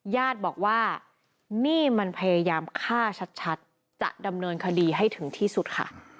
ญาติบอกว่านี่มันพยายามฆ่าชัดจะดำเนินคดีให้ถึงที่สุดค่ะ